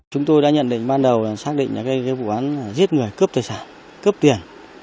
chúng tôi đã nhận định ban đầu xác định là vụ án giết người cướp tài sản cướp tiền